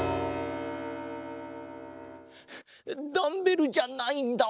ダンベルじゃないんだわん。